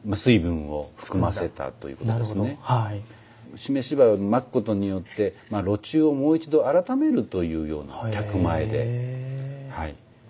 湿し灰をまくことによって炉中をもう一度あらためるというような客前ではい。